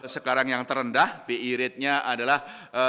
sekarang yang terendah bi ratenya adalah